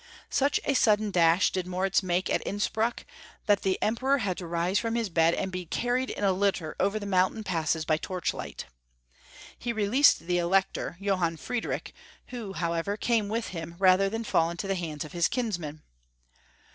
Such a sudden dash did Moritz make at Innspruck that the Em peror had to rise from his bed, and be carried in a litter over the mountain passes by torchlight. He released the Elector, Johann Friedrich, who, how ever, came with him rather than fall into the hands of his kinsman.